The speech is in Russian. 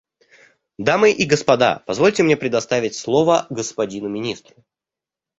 Дамы и господа, позвольте мне предоставить слово господину Министру.